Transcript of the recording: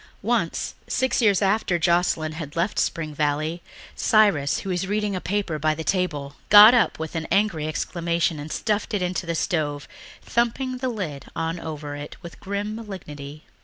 Once, six years after Joscelyn had left Spring Valley, Cyrus, who was reading a paper by the table, got up with an angry exclamation and stuffed it into the stove, thumping the lid on over it with grim malignity.